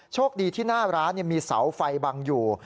โชคดีที่หน้าร้านมีเสาไฟบังอยู่